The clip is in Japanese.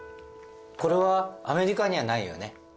これはアメリカにはないよね。